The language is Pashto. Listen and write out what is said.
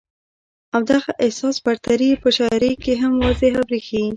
او دغه احساس برتري ئې پۀ شاعرۍ کښې هم واضحه برېښي